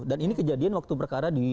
dan ini kejadian waktu perkara di